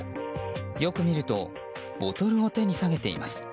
よく見るとボトルを手に提げています。